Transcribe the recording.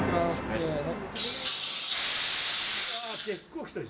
せの。